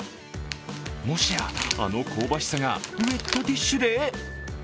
もしや、あの香ばしさがウエットティッシュで？